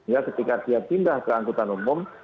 ya ketika dia pindah ke angkutan umum